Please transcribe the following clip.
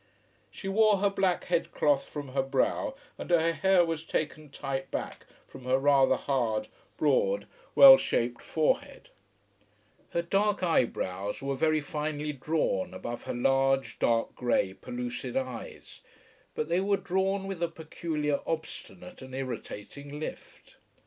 [Illustration: GAVOI] She wore her black head cloth from her brow and her hair was taken tight back from her rather hard, broad, well shaped forehead. Her dark eyebrows were very finely drawn above her large, dark grey, pellucid eyes, but they were drawn with a peculiar obstinate and irritating lift.